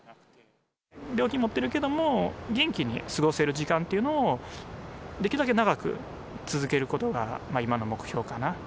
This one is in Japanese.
病気持ってるけれども、元気に過ごせる時間というのをできるだけ長く続けることが今の目標かな。